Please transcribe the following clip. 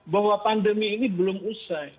bahwa pandemi ini belum usai